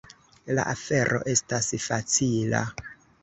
La afero estas facila.